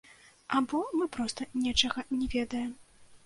Або мы проста нечага не ведаем.